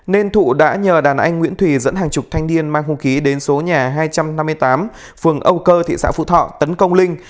nên thụ đã nhờ đàn anh nguyễn thùy dẫn hàng chục thanh niên mang hung khí đến số nhà hai trăm năm mươi tám phường âu cơ thị xã phú thọ tấn công linh